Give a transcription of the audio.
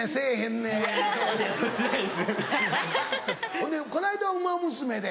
ほんでこの間『ウマ娘』で。